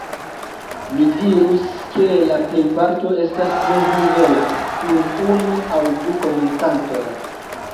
Mi dirus ke la plejparto estas meznivelaj, kun unu aŭ du komencantoj.